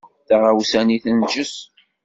Taɣawsa-nni tenǧes.